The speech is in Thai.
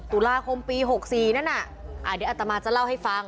ตุลาคมปี๖๔นั่นน่ะเดี๋ยวอัตมาจะเล่าให้ฟัง